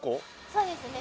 そうですね。